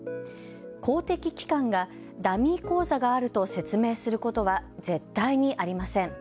公的機関がダミー口座があると説明することは絶対にありません。